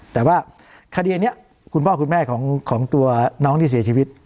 แต่ว่าคดีนี้คุณพ่อคุณแม่ของตัวน้องที่เสียชีวิต